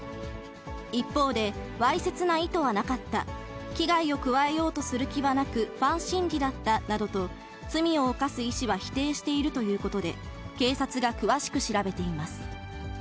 一方で、わいせつな意図はなかった、危害を加えようとする気はなく、ファン心理だったなどと、罪を犯す意思は否定しているということで、警察が詳しく調べています。